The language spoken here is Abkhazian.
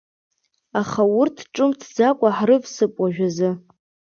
Аха урҭ ҿымҭӡакәа ҳрывсып уажәазы.